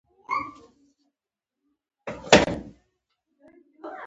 آیا سکې په افغانستان کې چلیږي؟